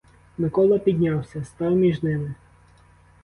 Микола піднявся, став між ними.